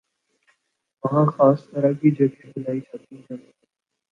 وہاں خاص طرح کی جگہیں بنائی جاتی ہیں